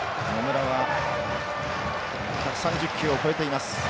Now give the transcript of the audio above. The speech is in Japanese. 野村は１３０球を超えています。